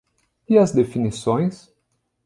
E as definições?